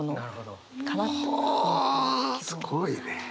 すごいね。